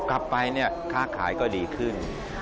กลับไปเนี่ยค้าขายก็ดีขึ้น